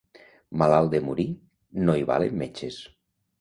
Malalt de morir, no hi valen metges.